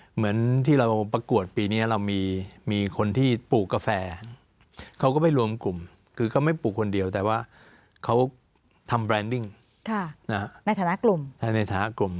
เหมือนที่เรามาประกวดปีนี้เรามีคนที่ปลูกกาแฟเขาก็ไม่รวมกลุ่มคือก็ไม่ปลูกคนเดียวแต่ว่าเขาทำแบรนดิ้งในฐานะกลุ่ม